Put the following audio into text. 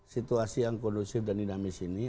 situasi yang kondusif dan dinamis ini